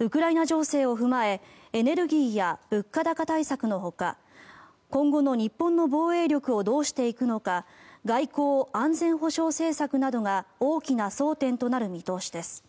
ウクライナ情勢を踏まえエネルギーや物価高対策のほか今後の日本の防衛力をどうしていくのか外交・安全保障政策などが大きな争点となる見通しです。